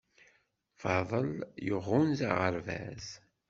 Faḍel yeɣɣunza aɣerbaz